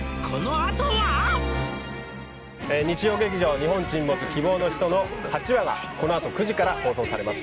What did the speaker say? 日曜劇場「日本沈没―希望のひと―」の８話がこのあと９時から放送されます